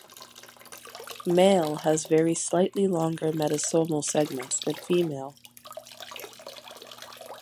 Male has very slightly longer metasomal segments than female.